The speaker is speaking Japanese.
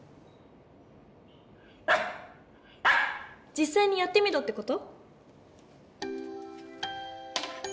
じっさいにやってみろってこと？